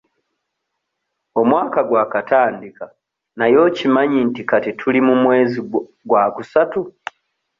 Omwaka gwakatandika naye okimanyi nti kati tuli mu mwezi gwakusatu?